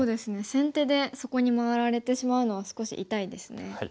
先手でそこに回られてしまうのは少し痛いですね。